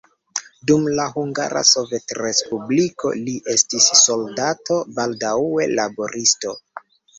Dum la Hungara Sovetrespubliko li estis soldato, baldaŭe laboristo.